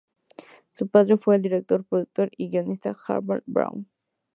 Su padre fue el director, productor y guionista Harald Braun.